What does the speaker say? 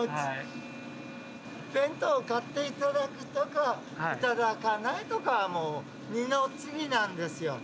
弁当を買っていただくとかいただかないとかはもう二の次なんですよ。